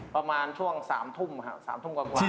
ประมาณช่วง๓ทุ่มครับ๓ทุ่มกว่า